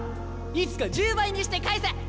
いつか１０倍にして返す！